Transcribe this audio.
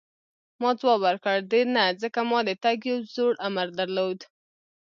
ما ځواب ورکړ: ډېر نه، ځکه ما د تګ یو زوړ امر درلود.